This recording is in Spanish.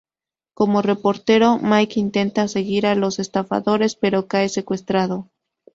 Como reportero, Mike intenta seguir a los estafadores, pero cae secuestrado.